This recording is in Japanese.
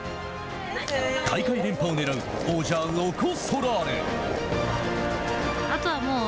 大会連覇をねらう王者ロコ・ソラーレ。